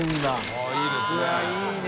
◆舛いいですね。